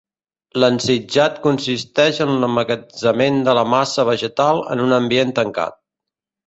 L'ensitjat consisteix en l'emmagatzemament de la massa vegetal en un ambient tancat.